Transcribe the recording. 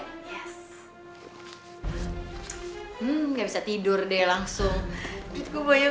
hmm gak bisa tidur deh langsung